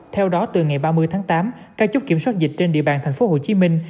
theo đó từ ngày ba mươi tháng tám các chốt kiểm soát dịch trên địa bàn thành phố hồ chí minh